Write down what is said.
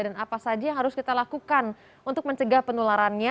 dan apa saja yang harus kita lakukan untuk mencegah penularannya